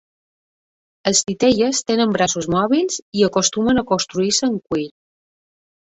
Els titelles tenen braços mòbils i acostumen a construir-se amb cuir.